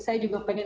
dan juga juga